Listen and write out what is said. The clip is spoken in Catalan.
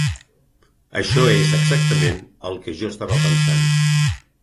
Això és exactament el que jo estava pensant.